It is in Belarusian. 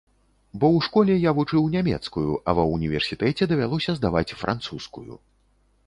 Бо ў школе я вучыў нямецкую, а ва ўніверсітэце давялося здаваць французскую.